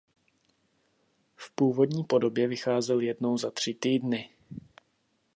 V původní podobě vycházel jednou za tři týdny.